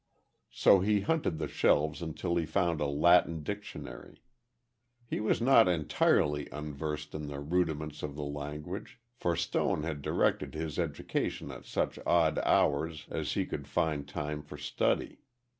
_" So he hunted the shelves until he found a Latin Dictionary. He was not entirely unversed in the rudiments of the language, for Stone had directed his education at such odd hours as he could find time for study.